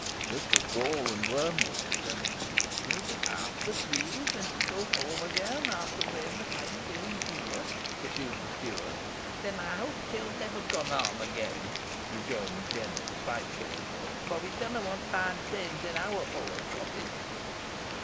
This was gall and wormwood to Jennet. "She'll be hard to please when she goes home again, after playing the fine dame here," pursued the steward. "Then ey hope she'll never come home again," rejoined Jennet; spitefully, "fo' we dunna want fine dames i' our poor cottage."